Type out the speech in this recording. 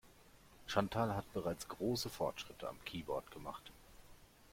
Chantal hat bereits große Fortschritte am Keyboard gemacht.